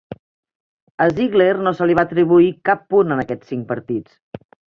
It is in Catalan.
A Ziegler no se li va atribuir cap punt en aquests cinc partits.